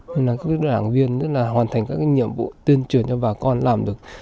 nên là các đảng viên rất là hoàn thành các nhiệm vụ tuyên truyền cho bà con làm được